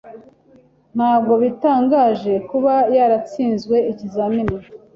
Ntabwo bitangaje kuba yaratsinzwe ikizamini?